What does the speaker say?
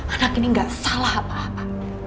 anak ini gak salah apa apa